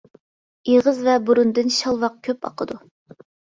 ئېغىز ۋە بۇرۇندىن شالۋاق كۆپ ئاقىدۇ.